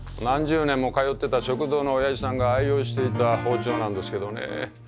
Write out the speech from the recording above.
何十年も通ってた食堂のおやじさんが愛用していた包丁なんですけどね